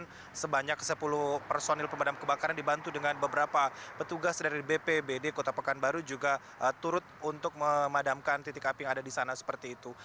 dan sebanyak sepuluh personil pemadam kebakaran dibantu dengan beberapa petugas dari bp bd kota pekanbaru juga turut untuk memadamkan titik api yang ada di sana seperti itu